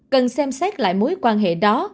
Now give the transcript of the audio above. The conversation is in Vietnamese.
cần xem xét lại mối quan hệ đó